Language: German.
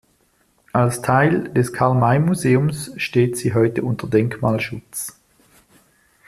Als Teil des Karl-May-Museums steht sie heute unter Denkmalschutz.